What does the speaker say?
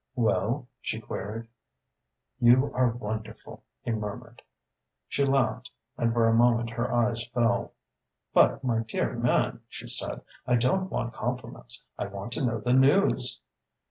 "Well?" she queried. "You are wonderful," he murmured. She laughed and for a moment her eyes fell. "But, my dear man," she said, "I don't want compliments. I want to know the news."